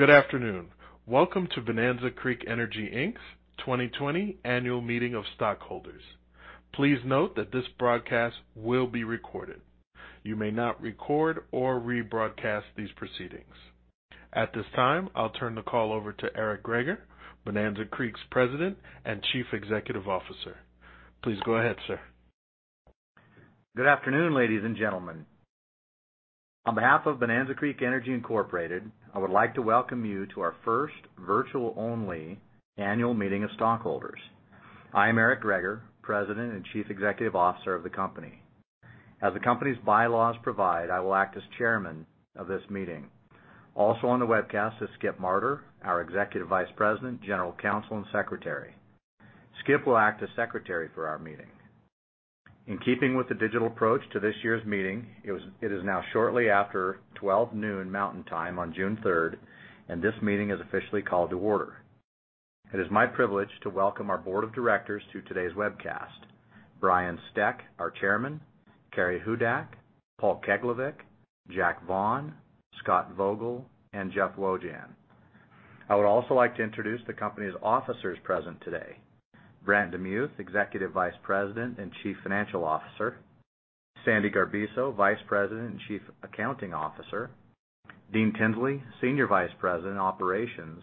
Good afternoon. Welcome to Bonanza Creek Energy, Inc's 2020 annual meeting of stockholders. Please note that this broadcast will be recorded. You may not record or rebroadcast these proceedings. At this time, I'll turn the call over to Eric Greager, Bonanza Creek's President and Chief Executive Officer. Please go ahead, sir. Good afternoon, ladies and gentlemen. On behalf of Bonanza Creek Energy Incorporated, I would like to welcome you to our first virtual-only annual meeting of stockholders. I am Eric Greager, President and Chief Executive Officer of the company. As the company's bylaws provide, I will act as Chairman of this meeting. Also on the webcast is Skip Marter, our Executive Vice President, General Counsel, and Secretary. Skip will act as Secretary for our meeting. In keeping with the digital approach to this year's meeting, it is now shortly after 12:00 P.M. Mountain Time on June 3rd, and this meeting is officially called to order. It is my privilege to welcome our board of directors to today's webcast. Brian Steck, our Chairman, Carrie Hudak, Paul Keglevic, Jack Vaughn, Scott Vogel, and Jeff Wojahn. I would also like to introduce the company's officers present today. Brant DeMuth, Executive Vice President and Chief Financial Officer, Sandy Garbiso, Vice President and Chief Accounting Officer, Dean Tinsley, Senior Vice President, Operations,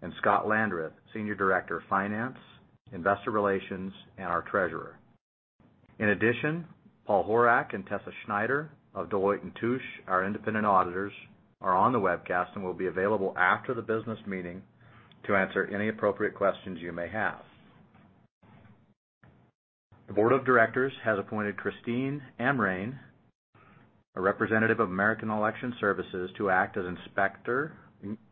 and Scott Landreth, Senior Director of Finance, Investor Relations, and our Treasurer. In addition, Paul Horak and Tessa Schneider of Deloitte & Touche, our independent auditors, are on the webcast and will be available after the business meeting to answer any appropriate questions you may have. The Board of Directors has appointed Christine Amrein, a representative of American Election Services, to act as Inspector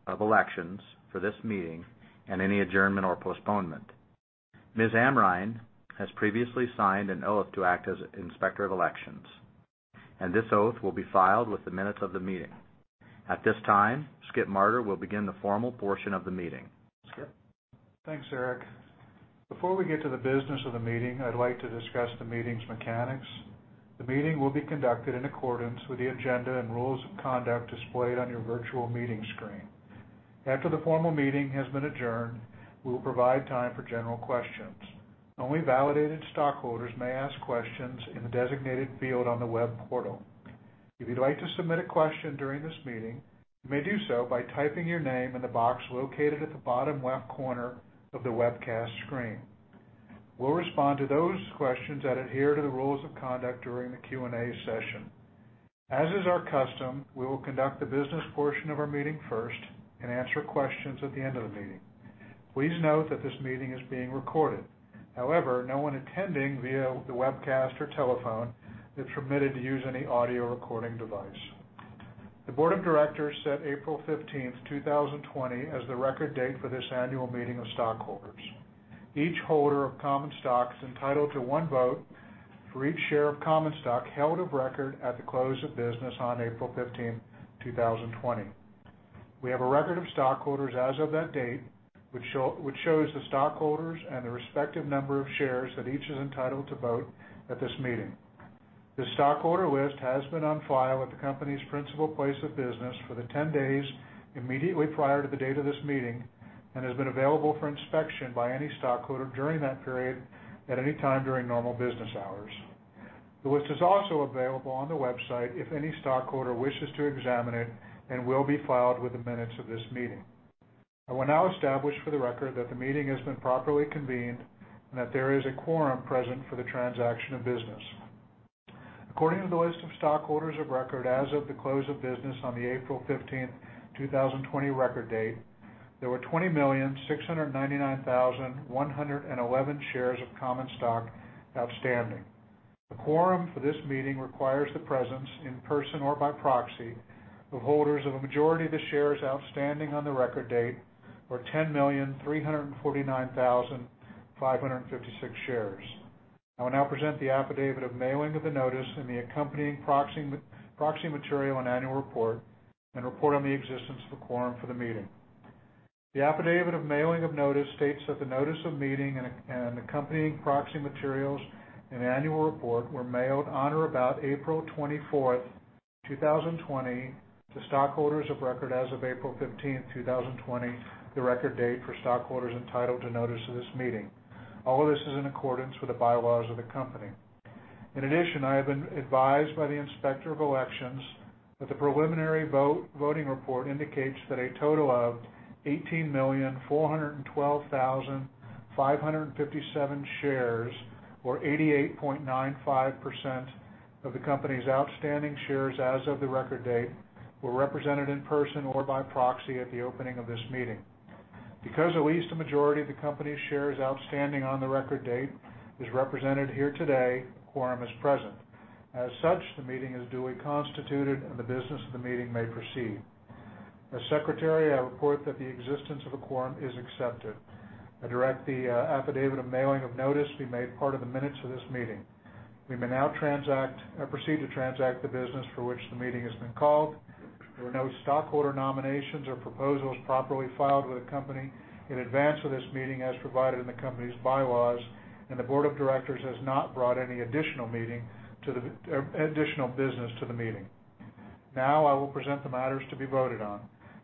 of Elections for this meeting and any adjournment or postponement. Ms. Amrein has previously signed an oath to act as Inspector of Elections, and this oath will be filed with the minutes of the meeting. At this time, Skip Marter will begin the formal portion of the meeting. Skip? Thanks, Eric. Before we get to the business of the meeting, I'd like to discuss the meeting's mechanics. The meeting will be conducted in accordance with the agenda and rules of conduct displayed on your virtual meeting screen. After the formal meeting has been adjourned, we will provide time for general questions. Only validated stockholders may ask questions in the designated field on the web portal. If you'd like to submit a question during this meeting, you may do so by typing your name in the box located at the bottom left corner of the webcast screen. We'll respond to those questions that adhere to the rules of conduct during the Q&A session. As is our custom, we will conduct the business portion of our meeting first and answer questions at the end of the meeting. Please note that this meeting is being recorded. However, no one attending via the webcast or telephone is permitted to use any audio recording device. The board of directors set April 15th, 2020, as the record date for this annual meeting of stockholders. Each holder of common stock is entitled to one vote for each share of common stock held of record at the close of business on April 15th, 2020. We have a record of stockholders as of that date which shows the stockholders and the respective number of shares that each is entitled to vote at this meeting. This stockholder list has been on file at the company's principal place of business for the 10 days immediately prior to the date of this meeting and has been available for inspection by any stockholder during that period at any time during normal business hours. The list is also available on the website if any stockholder wishes to examine it and will be filed with the minutes of this meeting. I will now establish for the record that the meeting has been properly convened and that there is a quorum present for the transaction of business. According to the list of stockholders of record as of the close of business on the April 15th, 2020, record date, there were 20,699,111 shares of common stock outstanding. The quorum for this meeting requires the presence, in person or by proxy, of holders of a majority of the shares outstanding on the record date or 10,349,556 shares. I will now present the affidavit of mailing of the notice and the accompanying proxy material and annual report and report on the existence of a quorum for the meeting. The affidavit of mailing of notice states that the notice of meeting and accompanying proxy materials and annual report were mailed on or about April 24th, 2020, to stockholders of record as of April 15th, 2020, the record date for stockholders entitled to notice of this meeting. All of this is in accordance with the bylaws of the company. In addition, I have been advised by the Inspector of Elections that the preliminary voting report indicates that a total of 18,412,557 shares, or 88.95% of the company's outstanding shares as of the record date, were represented in person or by proxy at the opening of this meeting. Because at least a majority of the company's shares outstanding on the record date is represented here today, a quorum is present. As such, the meeting is duly constituted and the business of the meeting may proceed. As secretary, I report that the existence of a quorum is accepted. I direct the affidavit of mailing of notice be made part of the minutes of this meeting. We may now proceed to transact the business for which the meeting has been called. There were no stockholder nominations or proposals properly filed with the company in advance of this meeting as provided in the company's bylaws, and the board of directors has not brought any additional business to the meeting. I will present the matters to be voted on.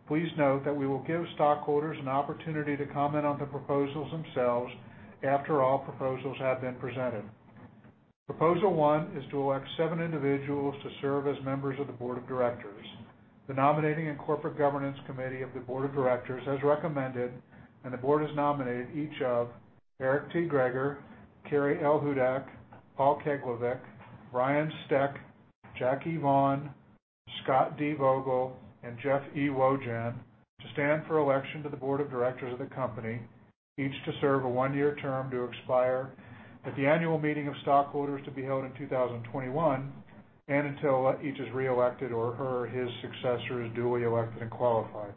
Please note that we will give stockholders an opportunity to comment on the proposals themselves after all proposals have been presented. Proposal 1 is to elect seven individuals to serve as members of the board of directors. The nominating and corporate governance committee of the board of directors has recommended, and the board has nominated each of Eric T. Greager, Carrie L. Hudak, Paul Keglevic, Brian Steck, Jack E. Vaughn, Scott D. Vogel, and Jeff E. Wojahn to stand for election to the board of directors of the company, each to serve a one-year term to expire at the annual meeting of stockholders to be held in 2021, and until each is reelected or her or his successor is duly elected and qualified.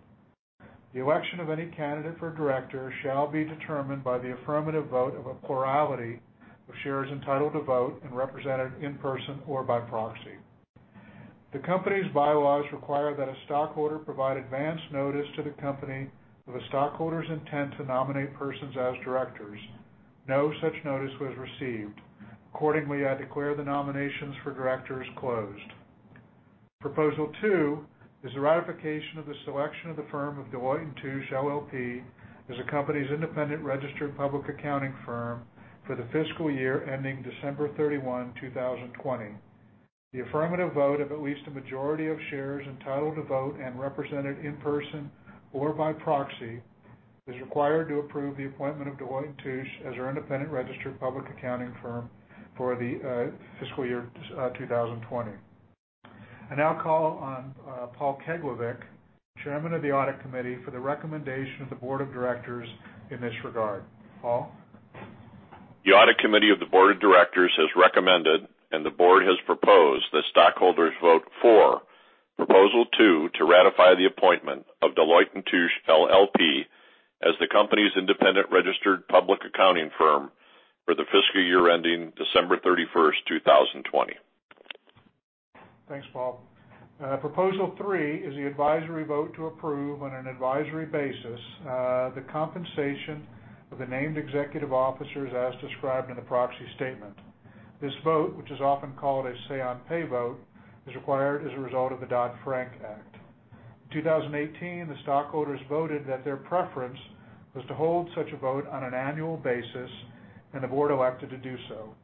The election of any candidate for director shall be determined by the affirmative vote of a plurality of shares entitled to vote and represented in person or by proxy. The company's bylaws require that a stockholder provide advance notice to the company of a stockholder's intent to nominate persons as directors. No such notice was received. Accordingly, I declare the nominations for directors closed. Proposal 2 is the ratification of the selection of the firm of Deloitte & Touche LLP as the company's independent registered public accounting firm for the fiscal year ending December 31, 2020. The affirmative vote of at least a majority of shares entitled to vote and represented in person or by proxy is required to approve the appointment of Deloitte & Touche as our independent registered public accounting firm for the fiscal year 2020. I now call on Paul Keglevic, Chairman of the Audit Committee, for the recommendation of the Board of Directors in this regard. Paul? The Audit Committee of the Board of Directors has recommended, and the Board has proposed that stockholders vote for Proposal 2 to ratify the appointment of Deloitte & Touche LLP as the company's independent registered public accounting firm for the fiscal year ending December 31st, 2020. Thanks, Paul. Proposal 3 is the advisory vote to approve, on an advisory basis, the compensation of the named executive officers as described in the proxy statement. This vote, which is often called a say-on-pay vote, is required as a result of the Dodd-Frank Act. In 2018, the stockholders voted that their preference was to hold such a vote on an annual basis, and the board elected to do so.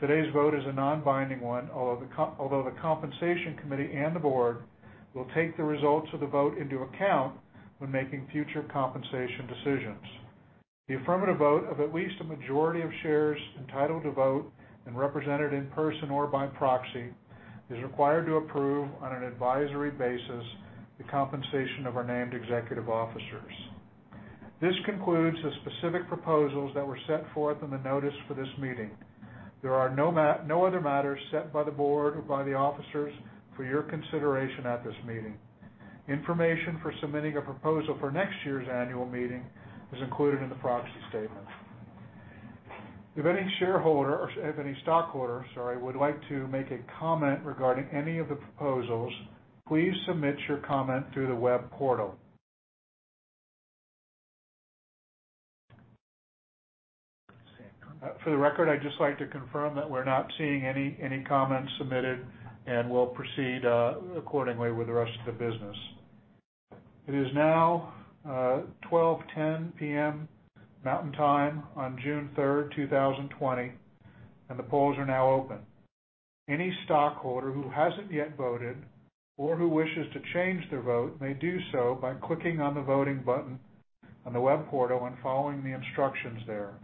Today's vote is a non-binding one, although the compensation committee and the board will take the results of the vote into account when making future compensation decisions. The affirmative vote of at least a majority of shares entitled to vote and represented in person or by proxy is required to approve, on an advisory basis, the compensation of our named executive officers. This concludes the specific proposals that were set forth in the notice for this meeting. There are no other matters set by the board or by the officers for your consideration at this meeting. Information for submitting a proposal for next year's annual meeting is included in the proxy statement. If any stockholder would like to make a comment regarding any of the proposals, please submit your comment through the web portal. For the record, I'd just like to confirm that we're not seeing any comments submitted, and we'll proceed accordingly with the rest of the business. It is now 12:10 P.M. Mountain Time on June 3rd, 2020, and the polls are now open. Any stockholder who hasn't yet voted or who wishes to change their vote may do so by clicking on the voting button on the web portal and following the instructions there.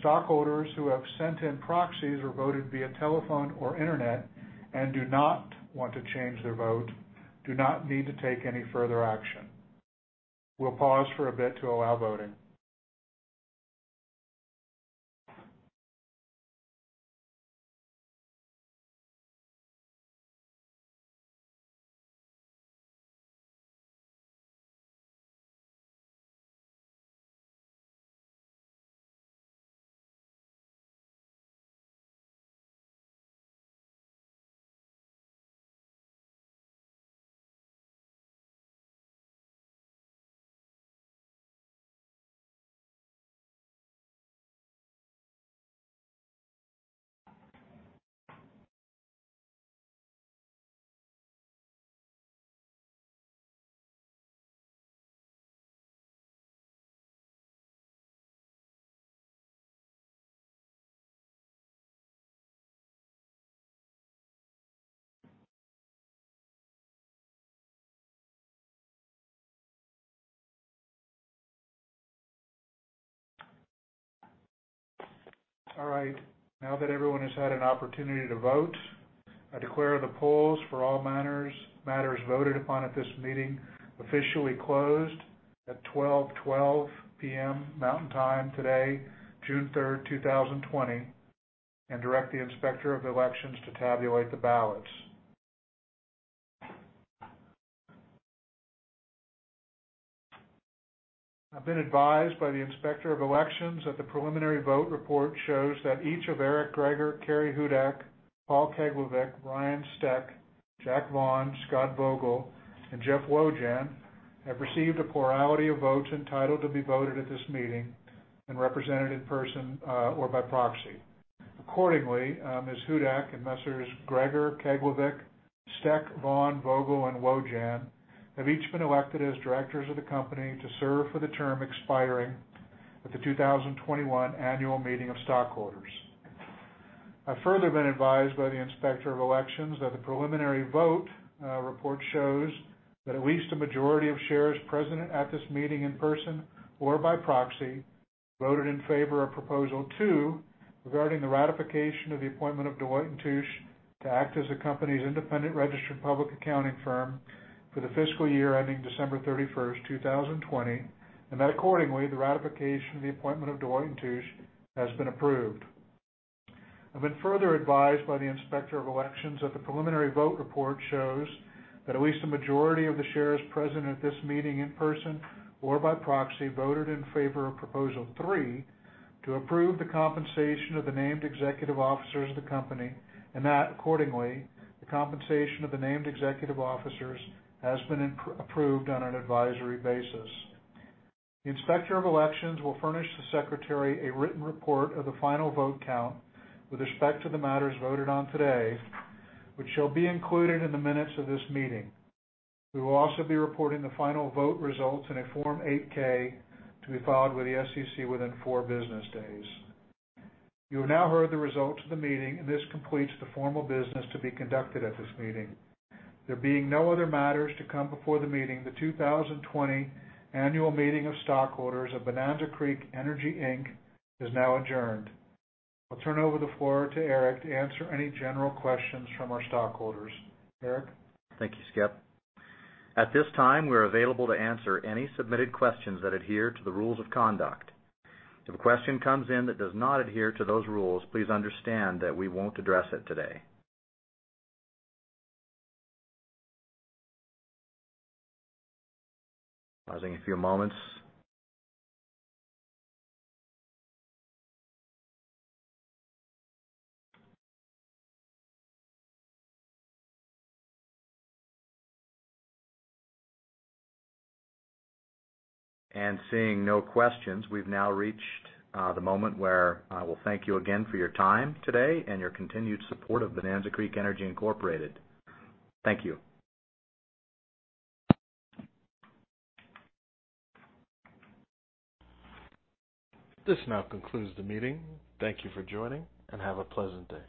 Stockholders who have sent in proxies or voted via telephone or internet and do not want to change their vote do not need to take any further action. We'll pause for a bit to allow voting. All right. Now that everyone has had an opportunity to vote, I declare the polls for all matters voted upon at this meeting officially closed at 12:12 P.M. Mountain Time today, June 3rd, 2020, and direct the Inspector of Elections to tabulate the ballots. I've been advised by the Inspector of Elections that the preliminary vote report shows that each of Eric Greager, Carrie Hudak, Paul Keglevic, Brian Steck, Jack Vaughn, Scott Vogel, and Jeff Wojahn have received a plurality of votes entitled to be voted at this meeting and represented in person or by proxy. Accordingly, Ms. Hudak and Messrs. Greager, Keglevic, Steck, Vaughn, Vogel, and Wojahn have each been elected as directors of the company to serve for the term expiring at the 2021 annual meeting of stockholders. I've further been advised by the Inspector of Elections that the preliminary vote report shows that at least a majority of shares present at this meeting in person or by proxy voted in favor of Proposal 2 regarding the ratification of the appointment of Deloitte & Touche to act as the company's independent registered public accounting firm for the fiscal year ending December 31st, 2020, and that accordingly, the ratification of the appointment of Deloitte & Touche has been approved. I've been further advised by the Inspector of Elections that the preliminary vote report shows that at least a majority of the shares present at this meeting in person or by proxy voted in favor of Proposal 3 to approve the compensation of the named executive officers of the company, and that accordingly, the compensation of the named executive officers has been approved on an advisory basis. The Inspector of Elections will furnish the Secretary a written report of the final vote count with respect to the matters voted on today, which shall be included in the minutes of this meeting. We will also be reporting the final vote results in a Form 8-K to be filed with the SEC within four business days. You have now heard the results of the meeting, and this completes the formal business to be conducted at this meeting. There being no other matters to come before the meeting, the 2020 annual meeting of stockholders of Bonanza Creek Energy, Inc is now adjourned. I'll turn over the floor to Eric to answer any general questions from our stockholders. Eric? Thank you, Skip. At this time, we're available to answer any submitted questions that adhere to the rules of conduct. If a question comes in that does not adhere to those rules, please understand that we won't address it today. Pausing a few moments. Seeing no questions, we've now reached the moment where I will thank you again for your time today and your continued support of Bonanza Creek Energy, Inc. Thank you. This now concludes the meeting. Thank you for joining, and have a pleasant day.